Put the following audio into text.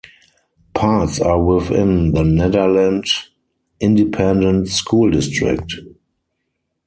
Parts are within the Nederland Independent School District.